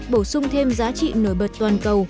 bổ sung thêm giá trị nổi bật toàn cầu